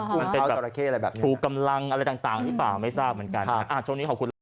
กุ้งเท้าตราเข้อะไรแบบนี้ผูกำลังอะไรต่างไม่ทราบเหมือนกัน